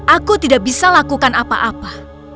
aku tidak bisa lakukan apa apa